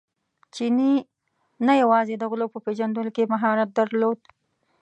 چیني نه یوازې د غلو په پېژندلو کې مهارت درلود.